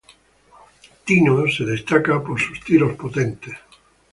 Tino se destaca por sus tiros potentes.